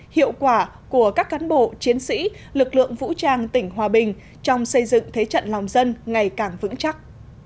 hiệu quả của các cán bộ chiến sĩ lực lượng vũ trang tỉnh hòa bình trong xây dựng thế trận lòng dân ngày càng vững chắc